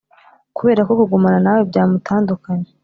kuberako kugumana na we byamutandukanya